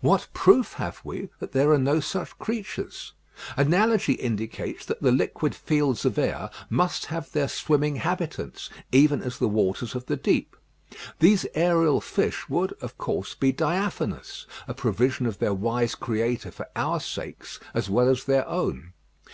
What proof have we that there are no such creatures? Analogy indicates that the liquid fields of air must have their swimming habitants, even as the waters of the deep. These aerial fish would, of course, be diaphanous; a provision of their wise Creator for our sakes as well as their own.